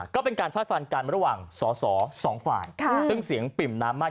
ก็เป็นการฟาดฟันกันระหว่างสอสอสองฝ่ายซึ่งเสียงปิ่มน้ำมาก